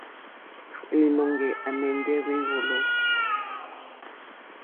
Līnɔ̄ŋgɛ̄ à mɛ̀ndɛ́ wé wòló.